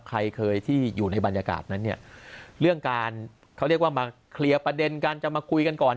ใครเคยที่อยู่ในบรรยากาศนั้นเนี่ยเรื่องการเขาเรียกว่ามาเคลียร์ประเด็นการจะมาคุยกันก่อน